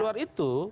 di luar itu